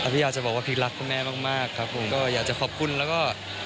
พี่อยากจะบอกว่าพีครักคุณแม่มากครับผมก็อยากจะขอบคุณแล้วก็